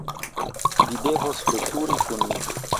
Vi devos veturi kun ni.